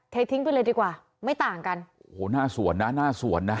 ทิ้งไปเลยดีกว่าไม่ต่างกันโอ้โหหน้าสวนนะหน้าสวนนะ